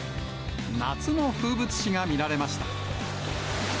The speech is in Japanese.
夏の風物詩が見られました。